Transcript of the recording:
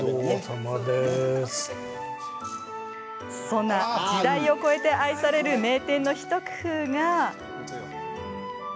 そんな時代を超えて愛される名店の一工夫が。